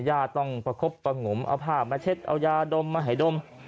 ญาติต้องประคบประงมเอาผ้ามาเช็ดเอายาดมมาให้ดม